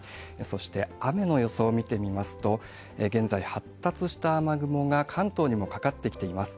そして雨の予想を見てみますと、現在、発達した雨雲が関東にもかかってきています。